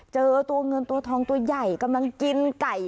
เจอตัวเงินตัวทองตัวใหญ่กำลังกินไก่